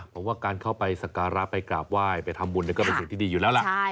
เพราะว่าการเข้าไปศักราไปกราบว่ายไปทำบุญก็เป็นอย่างที่ดีอยู่แล้วล่ะ